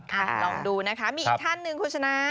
ลองดูนะคะมีอีกท่านหนึ่งคุณชนะ